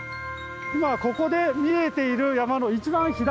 今ここで見えている山の一番左。